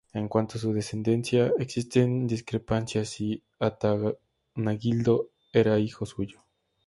En cuanto a su descendencia, existen discrepancias si Atanagildo era hijo suyo.